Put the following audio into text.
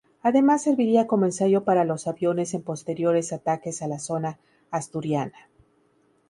Además serviría como ensayo para los aviones en posteriores ataques a la zona asturiana.